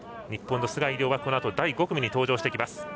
日本の須貝龍は、このあと第５組に登場してきます。